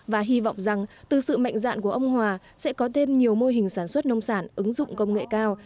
và hy vọng rằng từ sự mạnh dạn của ông hòa sẽ có thêm nhiều mô hình sản xuất nông sản ứng dụng công nghệ cao